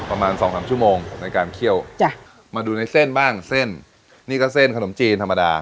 ประมาณสองสามชั่วโมงในการเคี่ยวจ้ะมาดูในเส้นบ้างเส้นนี่ก็เส้นขนมจีนธรรมดา